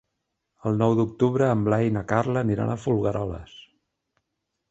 El nou d'octubre en Blai i na Carla aniran a Folgueroles.